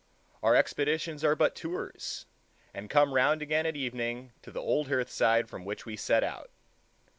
Our expeditions are but tours, and come round again at evening to the old hearth side from which we set out.